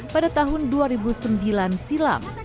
pada tahun dua ribu sembilan silam